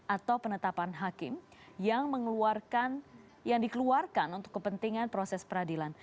atau penetapan hakim yang dikeluarkan untuk kepentingan proses peradilan